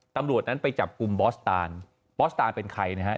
ตำรวจนั้นไปจับกลุ่มบอสตานบอสตานเป็นใครนะฮะ